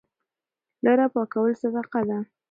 لاره پاکول صدقه ده.